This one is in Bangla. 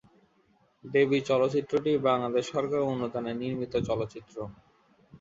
দেবী চলচ্চিত্রটি বাংলাদেশ সরকারের অনুদানে নির্মিত চলচ্চিত্র।